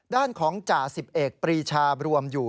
ด้านของจ้า๑๑ปรีชาบรวมอยู่